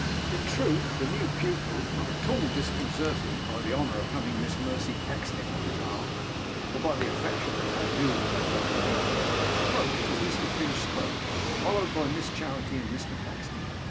In truth, the new pupil, not at all disconcerted by the honour of having Miss Mercy Pecksniff on his arm, or by the affectionate adieux of that young lady, approached as Mr Pinch spoke, followed by Miss Charity and Mr Pecksniff.